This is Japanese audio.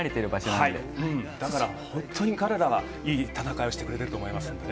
だから、本当に彼らはいい戦いをしてくれてると思いますよね。